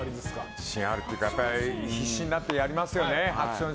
自信あるというかやっぱり必死になってやりますよね。